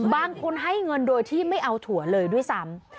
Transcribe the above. บางคนให้เงินโดยที่ไม่เอาถั่วเลยด้วยซ้ำ